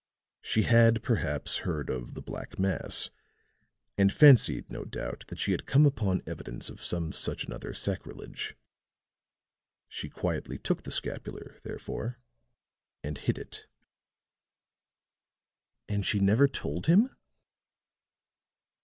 She had perhaps heard of the Black Mass, and fancied no doubt that she had come upon evidence of some such another sacrilege. She quietly took the scapular, therefore, and hid it." "And she never told him?"